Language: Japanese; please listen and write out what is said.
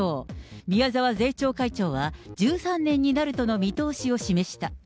宮沢税調会長は、１３年になるとの見通しを示した。